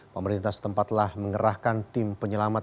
pemerintah setempat telah mengerahkan tim penyelamat